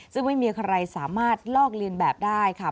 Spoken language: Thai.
ซึ่งไม่มีใครสามารถลอกเลียนแบบได้ค่ะ